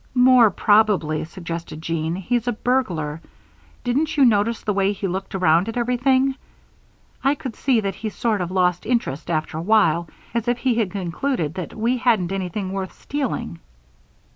"More probably," suggested Jean, "he's a burglar. Didn't you notice the way he looked around at everything? I could see that he sort of lost interest after while as if he had concluded that we hadn't anything worth stealing."